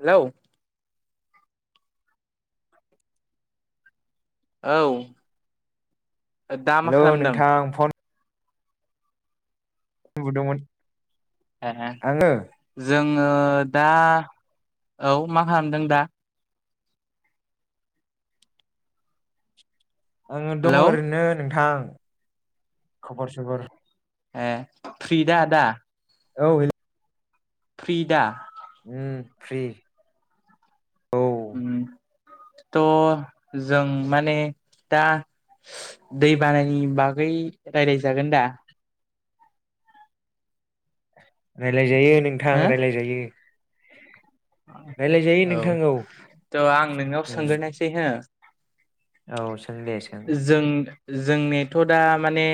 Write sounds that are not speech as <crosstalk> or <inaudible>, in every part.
Hello औ दा मा हेलौ खालामदों? नोंथां फन उन्दुदोंमोन। ए जों- ङो दा औ मा खालामदों दा? आङो दङ' हेलौ ओरैनो नोंथां, खबर-सबर ओ फ्रिदा दा? औ हेलौ फ्रि दा? उम फ्रि। औ त' जों माने दा दै बानानि बागै रायलायजागोन दा? रायलायजायो हो नोंथां रायलायजायो। रायलायजायो औ नोंथां त' आं नोंनाव उम सोंग्रोनायसै हो औ सों दे सों जों जोंनिथ' दा माने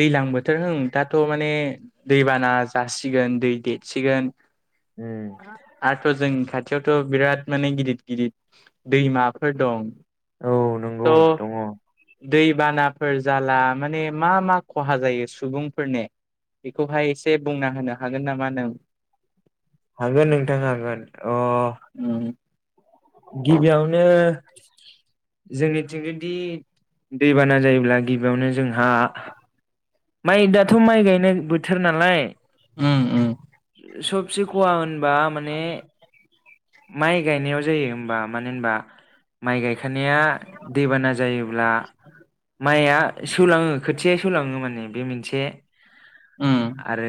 दैलां बोथोर होम दाथ' माने दैबाना जासिगोन दै देतसिगोन उम दाथ' जों खाथियावथ' बिराद माने गिदित-गिदित दैमाफोर दं औ नंगौ त' दङ दैबानाफोर जाला माने मा मा खहा जायो सुबुंफोरनि बेखौहाय एसे बुंना होनो हागोन नामा नों? हागोन नोंथां हांगोन अ उम गिबियावनो जोंनिथिं जुदि दैबाना जायोब्ला गिबियावनो जोंहा माइ दाथ' माइ गायनाय बोथोर नालाय उम उम सबसे खहा होनबा माने माइ गायनायाव जायो होमबा मानो होनबा माइ गाय गायखानाया दैबाना जायोब्ला माइआ सेवलाङो खोथियाया सेवलाङो माने बे मोनसे उम आरो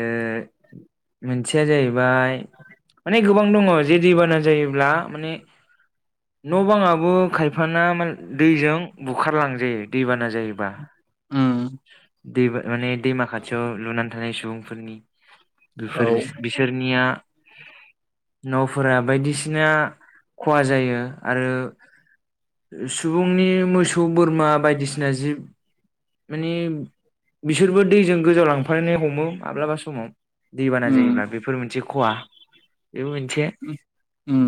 मोनसेया जाहैबाय माने गोबां दङ जे दैबाना जायोब्ला न' बाङाबो खायफाना दैजों बुखारलांजायो दैबाना जायोबा। उम दै माने दैमा खाथियाव लुनानै थानाय सुबुंफोर बिफोर बिसोरनिया न'फोरा बायदिसिना सिना खहा जायो आरो सुबुंनि मोसौ बोरमा बायदिसिना जिब माने बिसोरबो दैजों गोजाव लांफनो हमो माब्लाबा समाव दैबाना जायोब्ला बेफोर मोनसे खहा बेबो मोनसे उम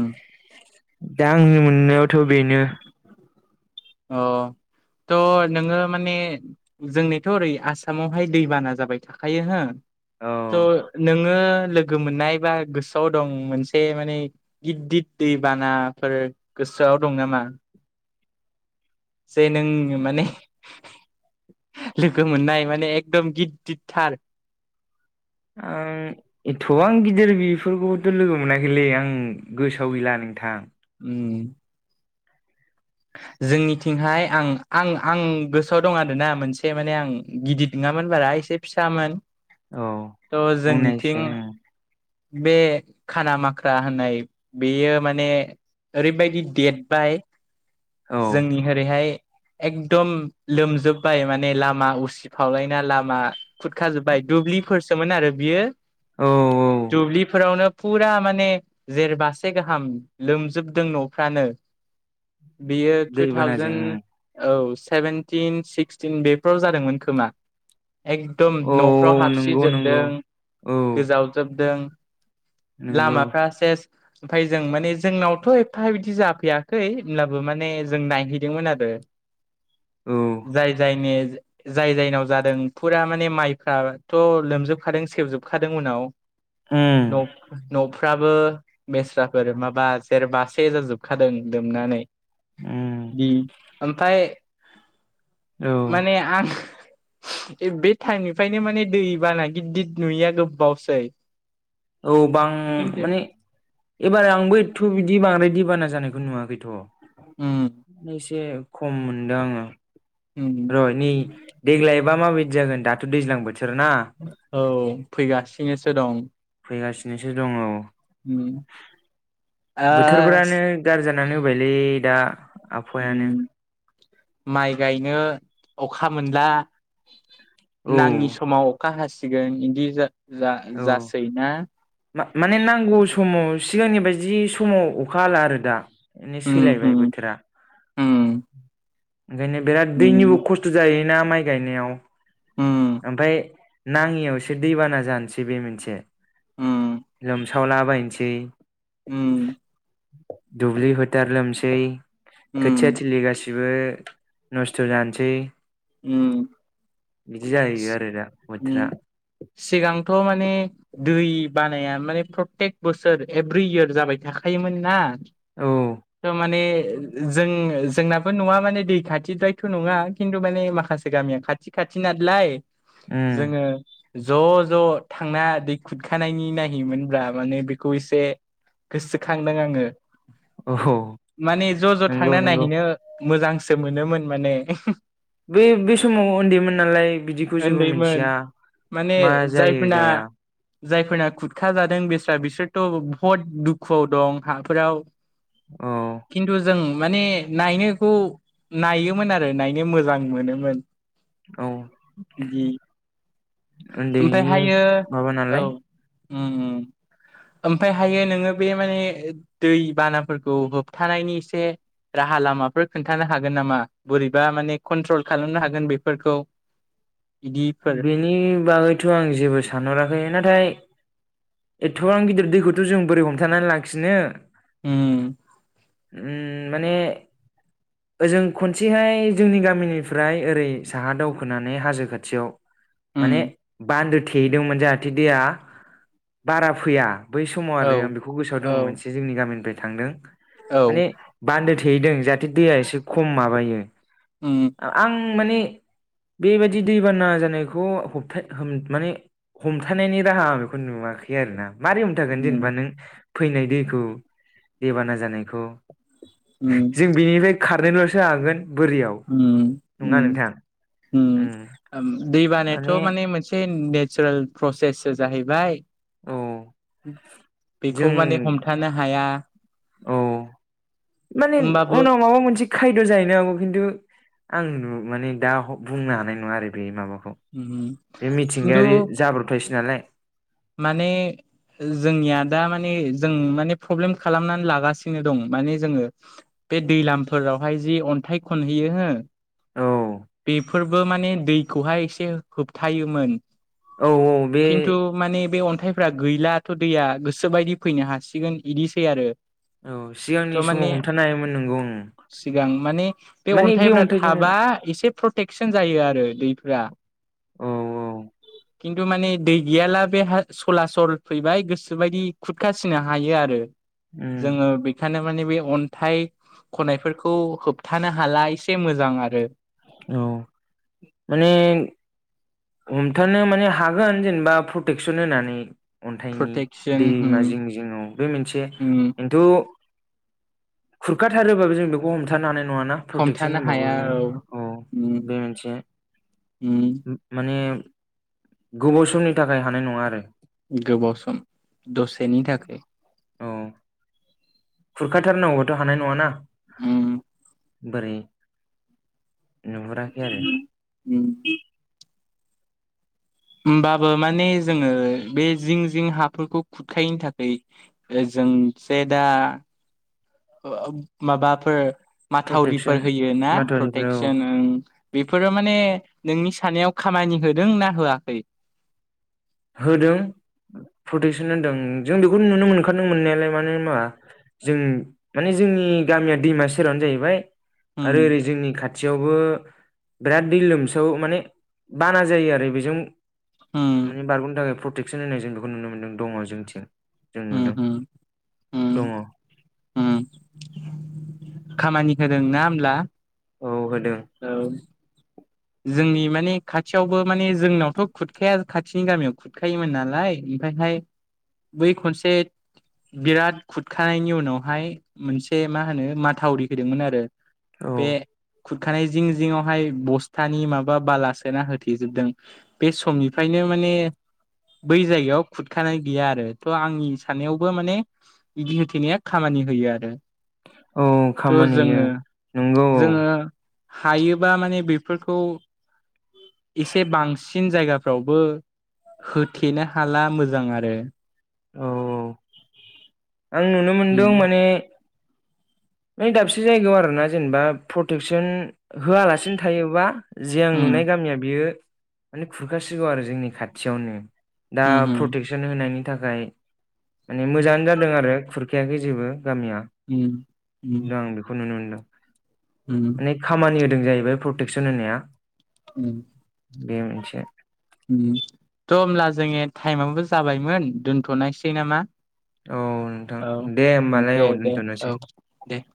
दा आंनि मोननायावथ' बेनो अ त' नोङो माने जोंनिथ' ओरै आसामावहाय दैबाना जाबाय थाखायो हो। औ त' नोङो लोगो मोननाय बा गोसोआव दं मोनसे माने गिदिद दै बानाफोर गोसोआव दं नामा? जे नों माने लोगो मोननाय माने एकदम गिददिदथार आं एथ'बां गिदिर बेफोरखौथ' लोगो मोनाखैलै आं गोसोआव गैला नोंथां। उम <inaudible> जोंनिथिंहाय आं आं आं गोसोआव दं आरोना मोनसे माने आं गिदिद नोङामोन बारा एसे फिसामोन औ त' जोंनिथिं बुंनायसै बे खाना माख्रा होननाय बेयो माने ओरैबायदि देरबाय औ जोंनि ओरैहाय एकदम लोमजोब्बाय माने लामा उसिफावलायना लामा खुरखाजोब्बाय। दुब्लिफोरसोमोन आरो बियो औ औ दुब्लिफोरावनो फुरा माने जेरबासे गाहाम लोमजोबदों न'फ्रानो। बियो टु दैबानाजों थावजेन औ सेभेनटिन सिक्सटिन बेफोराव जादोंमोन खोमा! एकदम औ न'फ्राव औ नंगौ नंगौ हाबसिजोबदों औ गोजावजोबदों नंगौ लामाफ्री सेब ओमफाय जों माने जोंनावथ' एफ्फा बिदि जाफैयाखै होनब्लाबो माने जों नायहैदोंमोन आरो औ जाय जायनो जायजायनाव जादों फुरा माने माइफ्राथ' लोमजोबखादों सेबजोबखादों उनाव उम न' फो न'फ्राबो बेस्राफोर माबा जेरबासे जाजोबखादों लोमनानै। उम बि ओमफ्राय - औ माने आं बे टाइमनिफ्रायनो माने दैबाना गिदिद नुयिया गोबावसै। औ बां खिन्थु माने एबारे आंबो थ' बिदि बांद्राय दिबाना जानायखौ नुवाखैथ'! उम एसे खम मोनदों आंङो उम र' नै देग्लाय बा माबायदि जागोन दाथ' दैज्लांबो औ फैगासिनोसो दं। फैगासिनोसो दङ औ। उम ओ बोथोरफोरानो गाज्रि जानानै होबायलै दा आफायानो उम माइ गायनो अखा मोनला औ नाङि समाव अखा हासिगोन इदि जा-जा-जासै ना मा-माने नांगौ समाव सिगांनि बायदि समाव अखा हाला आरो दा। माने उम सोलायबाय उम बोथोरा। ओंखायनो बिराद दैनिबो उम खस्थ' जायोना माइ गायनायाव उम ओमफ्राय नाङियावसो दैबाना जानोसै बे मोनसे। उम लोमसावलाबायनोसै ओम। दुब्लि फोथार लोमसै खोथिया उम थिलि गासि बो नस्थ' जानोसै, ओम बिदि जाहैयो आरो दा ओम बोथोरा सिगां थ' माने दै बानाया माने प्रतेक बोसोर एभ्रि इयार जाबाय थाखायोमोन ना औ खो माने ओ जों- जोंनाबो न'आ माने दै खाथि द्रायथ' नङा खिन्थु माने माखासे गामिया खाथि-खाथिनालाय उम जोंङो ज'-ज' थांना दै खुरखानायनि नायहैयोमोनब्ला माने बेखौ एसे गोसोखांदों आङो औ माने ज' ज' नंगौ थांना नंगौ नायहैनो मोजांसो मोनोमोन माने। बे बे समाव उन्दैमोन नालाय बिदिखौ जेबो उन्दैमोन मिथिया। माने मा जायो जायफोरना जाया जायफोरना खुरखा जादों बेस्रा बिसोरथ' बहुत दुखुआव दं हाफोराव। औ खिन्थु जों माने नायनोखौ नायोमोन आरो नायनो मोजां मोनोमोन औ बि ओमफ्राय उन्दैनि हायो माबा औ नालाय उम उम ओमफफ्राय हायो नोङो बे माने दै बानाफोरखौ होबथानायनि एसे राहा लामाफोर खोन्थानो हागोन नामा बोरैबा माने कन्ट्रल खालामनो हागोन बेफोरखौ? इदिफोर बेनि बागैथ' आं जेबो सानहराखै नाथाय एथ'बां गिदिर दैखौथ' जों बोरै हमथानानै लाखिनो उम उम माने ओजों खनसेहाय जोंनि गामिनिफ्राय ओरै साहा दावखोनानै हाजो खाथियाव उम माने बान्दो थेहैदोंमोन जाहाथे दैया बारा फैया। बै समाव औ आरो आं बेखौ गोसोआव दङ औ मोनसे जोंनि गामिनिफ्राय थांदों औ माने बान्दो थेदों जाहाथे दैया एसे खम माबायो उम आं माने बेबायदि दैबाना जानायखौ होबथा माने हमथानायनि राहा आं बेखौ नुवाखै आरो ना। मारै हमथागोन जेनेबा उम नों फैनाय दैखौ दैबाना जानायखौ उम बे खारनोल'सो हागोन। बोरियाव उम नङा उम नोंथां उम दै बानायाथ' माने मोनसे नेचारेल प्रसेसो जाहैबाय औ। बेखौ जों माने हमथानो हाया। औ माने होमबाबो उनाव माबा मोनसे खायद' जाहैनो हागौ खिन्थु आं नु माने दा बुंनो हानाय नङा आरो बे माबाखौ। उम बे मिथिंगायारि खिन्थु जाब्रबथायसै नालाय। माने जोंनिया दा माने जों माने प्रब्लेम खालामनानै लागासिनो दं माने जोङो बे दैलामफोरावहाय जि अन्थाइ खनहैयो हो? औ बेफोरबो माने दैखौहाय एसे होबथायोमोन। औ औ बे खिन्थु माने बे अन्थाइफ्रा गैलाथ' दैया गोसोबायदि फैनो हासिगोन बिदिसै आरो। औ सिगांनि थ' समाव माने हमथानो हायोमोन नोंगौं। सिगां माने बे अन्थाइफ्रा थाबा एसे प्रटेकसन जायो आरो दैफ्रा। औ खिन्थु माने दै गिया लाभ बे सलासल फैबाय गोसोबायदि खुरखासिनो हायो आरो। उम जोङो बेखायनो माने बे अन्थाइ खनायफोरखौ होबथानो हाला एसे मोजां आरो। औ माने हमथानो माने हागोन जेनेबा प्रटेकसन होनानै। अन्थाइनि प्रटेकसन दैमा उम जिं जिङाव बे मोनसे उम खिन्थु खुरखाथारोबाबो जों बेखौ हमथानो हानाय नङ ना प्रटेकसन हमथानो होनबाबो हाया औ उम बे मोनसे उम माने गोबाव समनि थाखाय हानाय नङा आरो। गोबाव सम दसेनि थाखाय खुरखाथारनांगौआथ' हानाय नङाना? उम बोरै नुहुराखै आरो <inaudible> होमबाबो माने जोङो बे जिं जिं हाफोरखौ खुरखायैनो थाखाय जोंसे दा माबाफोर माथावरिफोर प्रटेकसन होयो ना माथावरिफोराव प्रटेकसन ओ बेफोरो माने नोंनि साननायाव खामानि होदों ना होआखै? होदों प्रटेकसन होदों जों बेखौ नुनो मोनखादों मोननायालाय मानो होनबा जों माने जोंनि गामिया दैमा सेरावनो जाहैबाय उम आरो ओरै जोंनि खा थियावबो बिराद दै लोमसावो माने बाना जायो आरो बेजों उम माने बारग'नो थाखाय प्रटेकसन होनाय जों बेखौ नुनो मोनदों दङ जोंनिथिं। जों उम नुदों उम उम दङ। खामानि होदों ना होमब्ला? औ होदों औ जोंनि माने खाथियावबो माने जोंनावथ' खुरखाया खाथिनि गामियाव खुरखायोमोन नालाय ओमफ्रायहाय बै खनसे बिराद खुरखानायनि उनावहाय मोनसे मा होनो माथावरि होदोंमोन आरो औ बे खुरखानाय जिं जिंआवहाय बस थानि माबा बाला सोना होथेजोबदों बे समनिफ्रायनो माने बै जायगायाव खुरखानाय गैया आरो थ' आंनि साननायावबो माने बिदि होथेनाया खामानि होयो आरो औ थ' खामानि जोङो नंगौ औ जोङो हायोबा माने बेफोरखौ एसे बांसिन जायगाफ्रावबो होथेनो हाला मोजां आरो। औ आं नुनो मोनदों उम माने ने दाबसे जायगायाव आरोना जेनेबा प्रटेकसोन होयालासिनो थायोबा जि आं उम नुनाय गामिया बियो माने खुरखासिगौ आरो जोंनि खाथियावनो दा उम प्रटेकसन होनायनि थाखाय माने मोजाङानो जादों आरो खुरखायाखै जेबो गामिया उम उम आं बेखौ नुनो मोनदों। उम माने खामानि होदों जाहैबाय प्रटेकसन होनाया। बे मोनसे थ' होमब्ला जोङो टाइमाबो जाबायमोन दोनथ'नायसै नामा? औ नोंथां औ दे होमबालाय दे औ दे दोनथ'नोसै औ दे। <inaudible>